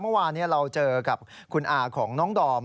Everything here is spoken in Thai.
เมื่อวานเราเจอกับคุณอาของน้องดอม